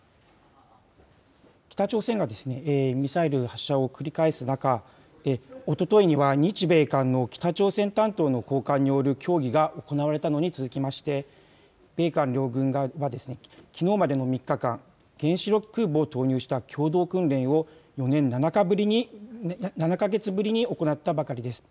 北朝鮮がミサイル発射を繰り返す中、おとといには日米韓の北朝鮮担当の高官による協議が行われたのに続きまして米韓両軍がきのうまでの３日間、原子力空母を投入した共同訓練を４年７か月ぶりに行ったばかりです。